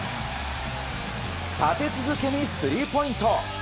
立て続けにスリーポイント。